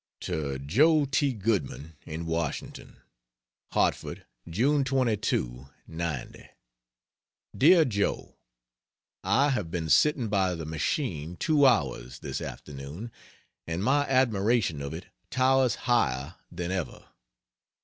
To Joe T. Goodman, in Washington: HARTFORD, June 22, '90. DEAR JOE, I have been sitting by the machine 2 hours, this afternoon, and my admiration of it towers higher than ever.